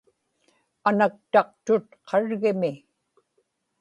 anaktaqtut qargimi